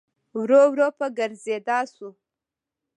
ورو ورو په ګرځېدا سو.